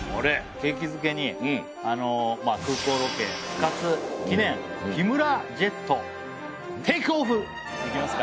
景気づけに空港ロケ復活記念日村ジェットテイクオフいきますか。